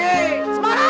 semarang semarang semarang